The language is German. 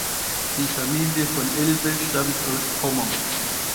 Die Familie von Elbe stammt aus Pommern.